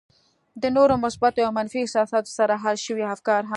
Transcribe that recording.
له نورو مثبتو او يا منفي احساساتو سره حل شوي افکار هم.